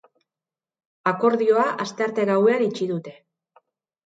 Akordioa astearte gauean itxi dute.